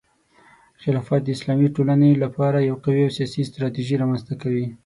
خلافت د اسلامي ټولنې لپاره یو قوي او سیاسي ستراتیژي رامنځته کوي.